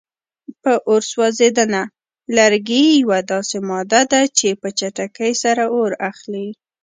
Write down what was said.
په اور سوځېدنه: لرګي یوه داسې ماده ده چې په چټکۍ سره اور اخلي.